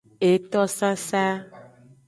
Etosasa.